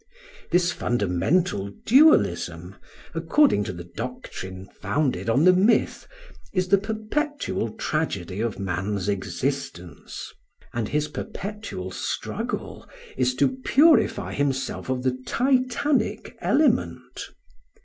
This fundamental dualism, according to the doctrine founded on the myth, is the perpetual tragedy of man's existence; and his perpetual struggle is to purify himself of the Titanic element.